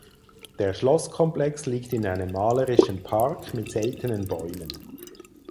Der Schlosskomplex liegt in einem malerischen Park mit seltenen Bäumen.